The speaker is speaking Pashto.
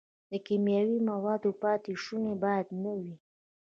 د کیمیاوي موادو پاتې شوني باید نه وي.